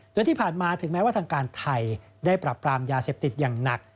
โดยที่ผ่านมาถึงแม้ว่าทางการไทยได้ปรับปรามยาเสพติดอย่างหนัก